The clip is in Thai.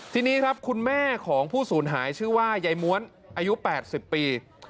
ทีนี้ครับคุณแม่ของผู้สูญหายชื่อว่ายายม้วนอายุ๘๐ปี